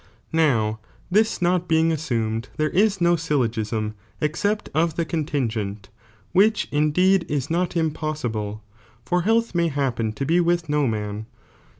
Mow this not being assumed, therft 13 no syllogism except of the contingent,^ which indeed is not impossible, for health may happen to be with no man.